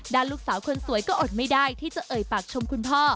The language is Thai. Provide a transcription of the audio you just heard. ลูกสาวคนสวยก็อดไม่ได้ที่จะเอ่ยปากชมคุณพ่อ